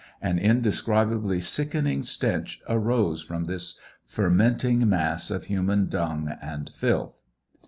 An indescribably sickening stench arose from this fermenting mass of human dung and filth.